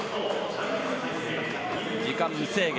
時間無制限。